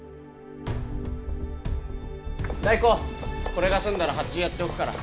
代行これが済んだら発注やっておくから。